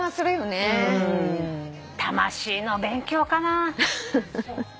魂の勉強かな。